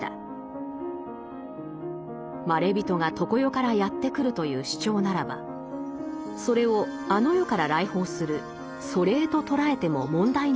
まれびとが常世からやって来るという主張ならばそれをあの世から来訪する祖霊と捉えても問題ないのではないか。